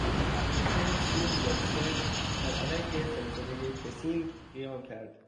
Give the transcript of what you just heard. دکتر سون یاتسن بر علیه سلسلهٔ تسینگ قیام کرد.